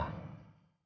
kita setiap hari